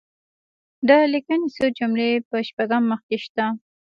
د لیکني څو جملې په شپږم مخ کې شته.